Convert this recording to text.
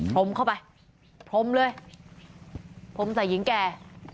พรมเข้าไปพรมเลยพรมใส่หญิงแก่